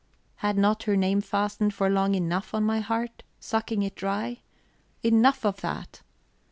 Had not her name fastened for long enough on my heart, sucking it dry? Enough of that!